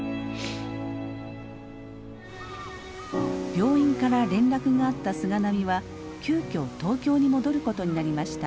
病院から連絡があった菅波は急きょ東京に戻ることになりました。